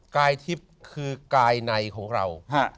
กายทิพย์คือกายในของเรา